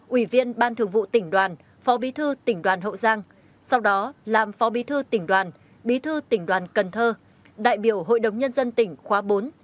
ủy viên ban thường vụ tỉnh đoàn phó bí thư tỉnh đoàn hậu giang sau đó làm phó bí thư tỉnh đoàn bí thư tỉnh đoàn cần thơ đại biểu hội đồng nhân dân tỉnh khóa bốn